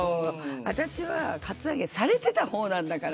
私はカツアゲされていた方なんだから。